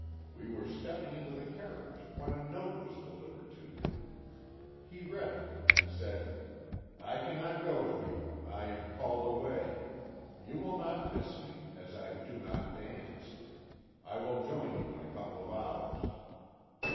"We were stepping into the carriage when a note was delivered to him. He read it, and said, 'I cannot go with you; I am called away. You will not miss me, as I do not dance. I will join you in a couple of hours."